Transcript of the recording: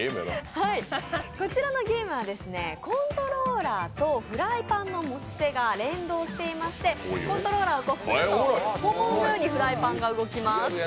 こちらのゲームはですね、コントローラーとフライパンの持ち手が連動していましてコントローラーを動かすと、本物のようにフライパンが動きます。